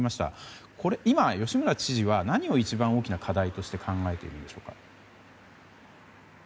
今、吉村知事は何を大きな課題と考えているんでしょうか？